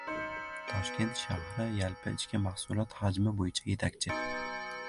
Toshkent shahri yalpi ichki mahsulot hajmi bo‘yicha yetakchi